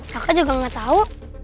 kakak juga nggak tahu